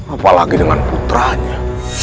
apalagi dengan putranya